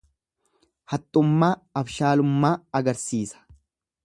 Haxxummaa, abshaalummaa agarsiisa.